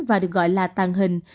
và được gọi là tàng hình